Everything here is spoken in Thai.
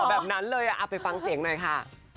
แบบนั้นเลยเอาไปฟังเสียงหน่อยค่ะ